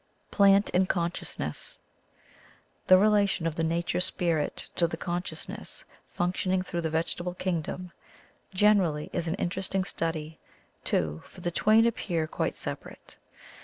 "Plant Consciousness. — The relation of the nature spirit to the consciousness func tioning through the vegetable kingdom gen erally is an interesting study too, for the twain appear quite separate.